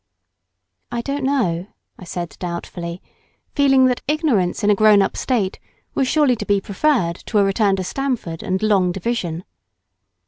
"I don't know," I said doubtfully, feeling that ignorance in a grown up state was surely to be preferred to a return to Stamford and long division.